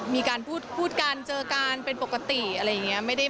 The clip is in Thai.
มีการพูดกันเจอกันเป็นปกติอะไรอย่างนี้